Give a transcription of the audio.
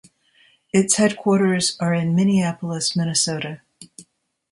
Its headquarters are in Minneapolis, Minnesota.